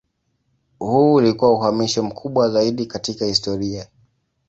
Huu ulikuwa uhamisho mkubwa zaidi katika historia.